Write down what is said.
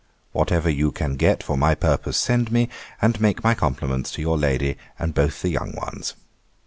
Whatever you can get for my purpose send me; and make my compliments to your lady and both the young ones.